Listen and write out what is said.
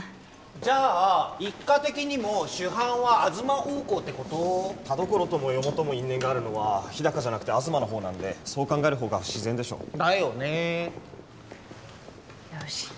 じゃあ一課的にも主犯は東方向ってこと田所とも四方とも因縁があるのは日高じゃなくて東のほうなんでそう考えるほうが自然でしょだよねよし